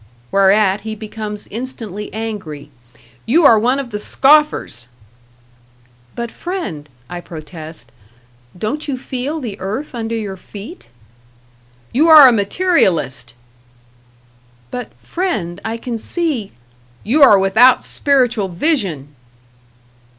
Whereat he becomes instantly angry. "You are one of the scoffers!" "But, friend," I protest, "don't you feel the earth under your feet?" "You are a materialist!" "But, friend, I can see " "You are without spiritual vision!"